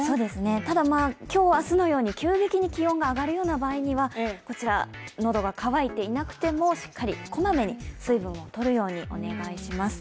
ただ、今日明日のように急激に気温が上がるような場合にはこちら、喉が渇いていてなくてもしっかりこまめに水分をとるようにお願いします。